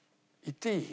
言っていい？